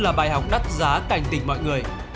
là bài học đắt giá cành tịch mọi người